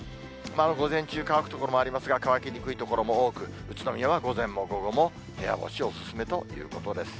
午前中、乾く所もありますが、乾きにくい所も多く、宇都宮は午前も午後も部屋干し、お勧めということです。